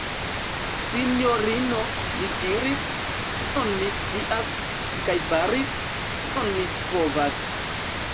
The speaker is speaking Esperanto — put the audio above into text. sinjorino, mi diris, kion mi scias, kaj faris, kion mi povas!